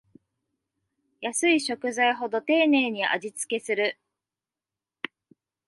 安い食材ほど丁寧に味つけする